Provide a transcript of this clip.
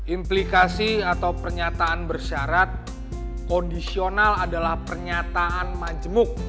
implikasi atau pernyataan bersyarat kondisional adalah pernyataan majemuk